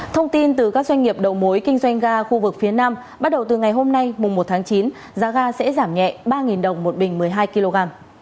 thông tin từ các doanh nghiệp đầu mối kinh doanh ga khu vực phía nam bắt đầu từ ngày hôm nay mùng một tháng chín giá ga sẽ giảm nhẹ ba đồng một bình một mươi hai kg